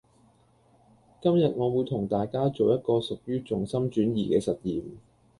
今日我會同大家做一個屬於重心轉移嘅實驗